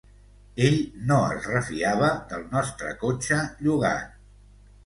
Ell no es refiava del nostre cotxe llogat.